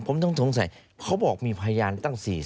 ผมต้องสงสัยเขาบอกมีพยานตั้ง๔คน